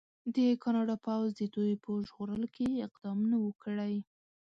د کاناډا پوځ د دوی په ژغورلو کې اقدام نه و کړی.